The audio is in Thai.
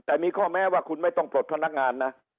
แต่มีข้อแม้ว่าคุณไม่ต้องปลดพนักงานนะ